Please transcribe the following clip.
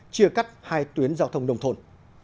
chia cắt hai tuyến giao thông nông thôn